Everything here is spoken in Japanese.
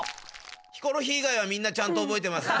ヒコロヒー以外はみんなちゃんとオボエてます